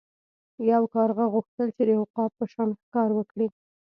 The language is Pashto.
یو کارغه غوښتل چې د عقاب په شان ښکار وکړي.